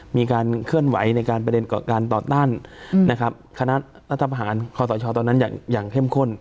มีการเคลื่อนไหวในการประเด็นเกาะการต่อต้านนะครับคณะรัฐประหารคอสชตอนนั้นอย่างเข้มข้น